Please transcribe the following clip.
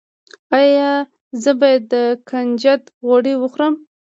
ایا زه باید د کنجد غوړي وخورم؟